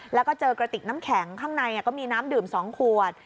แล้วก็เจอกระติกน้ำแข็งข้างในก็มีน้ำดื่ม๒ขวด